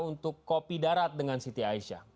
untuk kopi darat dengan siti aisyah